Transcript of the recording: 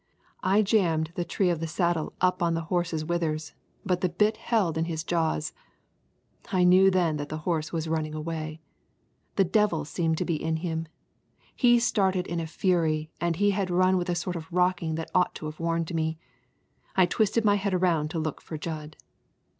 I jammed the tree of the saddle up on the horse's withers, but the bit held in his jaws. I knew then that the horse was running away. The devil seemed to be in him. He started in a fury, and he had run with a sort of rocking that ought to have warned me. I twisted my head around to look for Jud.